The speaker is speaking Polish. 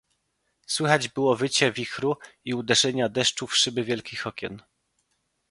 "Słychać było wycie wichru i uderzenia deszczu w szyby wielkich okien."